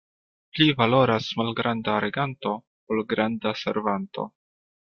Pli valoras malgranda reganto, ol granda servanto.